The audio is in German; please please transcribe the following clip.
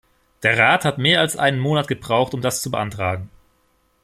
Der Rat hat mehr als einen Monat gebraucht, um das zu beantragen.